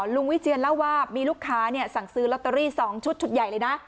วิเชียนเล่าว่ามีลูกค้าสั่งซื้อลอตเตอรี่๒ชุดชุดใหญ่เลยนะ